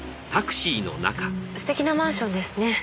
素敵なマンションですね。